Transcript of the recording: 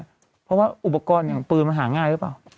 เพราะว่าอุปกรณ์อย่างปืนมันหาง่ายหรือเปล่า